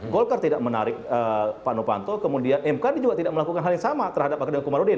golkar tidak menarik pak nopanto kemudian mkd juga tidak melakukan hal yang sama terhadap pak gede komarudin